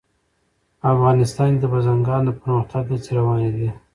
افغانستان کې د بزګانو د پرمختګ هڅې روانې دي.